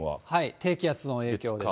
低気圧の影響です。